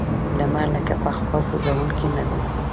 لمر لکه پخوا سوځونکی نه دی.